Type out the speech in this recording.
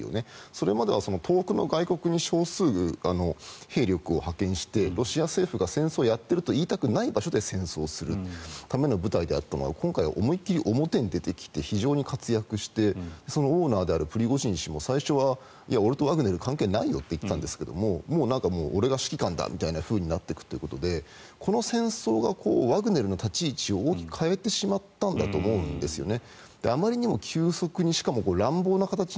それまでは遠くの外国に少数、兵力を派遣してロシア政府が戦争をやっていると言いたくない場所で戦争をするための部隊であったのが今回は思い切り表に出てきて非常に活躍してそのオーナーであるプリゴジン氏も最初は俺とワグネル関係ないよと言っていたんですがもう俺が指揮官だみたいなふうになっていくということでこの戦争がワグネルの立ち位置を大きく変えてしまったんだと思うんですよね。